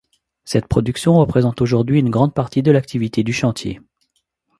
Cette production représente aujourd'hui une grande partie de l’activité du chantier.